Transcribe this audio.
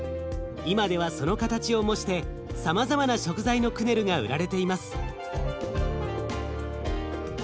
今ではその形を模してさまざまな食材のクネルが売られています。